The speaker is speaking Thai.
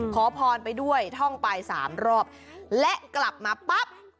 ขอพรไปด้วยท่องไปสามรอบและกลับมาปั๊บ